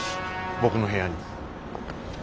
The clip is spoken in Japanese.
僕の部屋に。